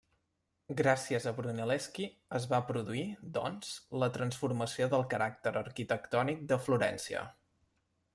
Gràcies a Brunelleschi es va produir, doncs, la transformació del caràcter arquitectònic de Florència.